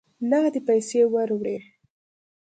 نغدي پیسې وروړي.